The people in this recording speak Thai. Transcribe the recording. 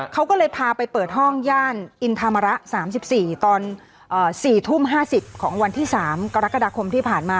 เขาก็เลยพาไปเปิดห้องย่านอินธรรมระ๓๔ตอน๔ทุ่ม๕๐ของวันที่๓กรกฎาคมที่ผ่านมา